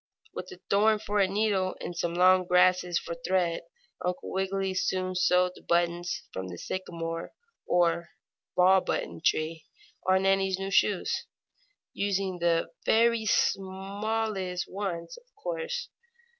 With a thorn for a needle, and some long grasses for thread, Uncle Wiggily soon sewed the buttons from the sycamore, or button ball, tree on Nannie's new shoes, using the very smallest ones, of course.